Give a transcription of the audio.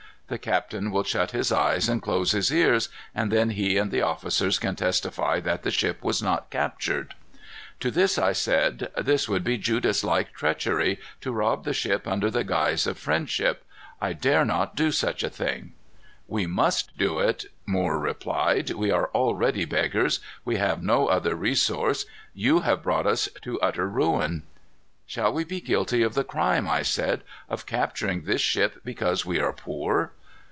The captain will shut his eyes and close his ears, and then he and the officers can testify that the ship was not captured.' "To this I said, 'This would be Judas like treachery, to rob the ship under the guise of friendship. I dare not do such a thing.' "'We must do it,' Moore replied. 'We are already beggars. We have no other resource. You have brought us to utter ruin.' "'Shall we be guilty of the crime,' I said, 'of capturing this ship because we are poor?